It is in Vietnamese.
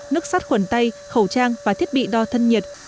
nước sắt khuẩn tay khẩu trang và thiết bị đo thân nhiệt